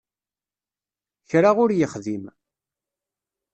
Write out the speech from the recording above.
Kra ur yexdim.